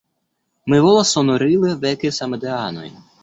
Mi volas sonorile veki samideanojn!